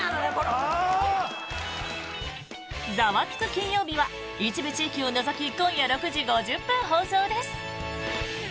金曜日」は一部地域を除き今夜６時５０分放送です。